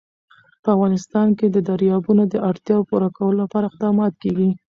په افغانستان کې د دریابونه د اړتیاوو پوره کولو لپاره اقدامات کېږي.